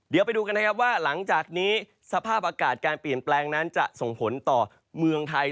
เดี๋ยวไปดูกันนะครับว่าหลังจากนี้สภาพอากาศการเปลี่ยนแปลงนั้นจะส่งผลต่อเมืองไทย